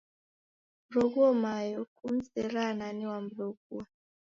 Kuroghuo Mayo. Kumzeraa nani wamroghua?